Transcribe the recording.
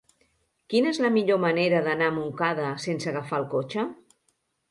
Quina és la millor manera d'anar a Montcada sense agafar el cotxe?